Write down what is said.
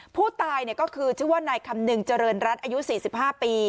ผู้ตายก็คือชื่อว่านายคำนึงเจริญรัฐอายุ๔๕ปี